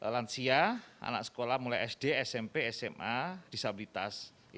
lansia anak sekolah mulai sd smp sma disabilitas